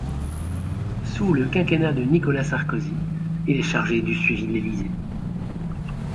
Sous le quinquennat de Nicolas Sarkozy, il est chargé du suivi de l’Élysée.